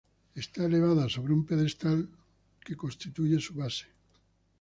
Está elevada sobre un pedestal que constituye su base.